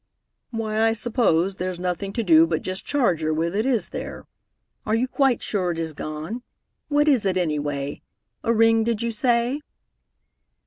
"Why, I suppose there's nothing to do but just charge her with it, is there? Are you quite sure it is gone? What is it, any way? A ring, did you say?"